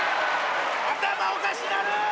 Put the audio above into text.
頭おかしなる！